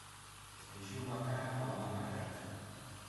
Enxugo a cara coa man aberta.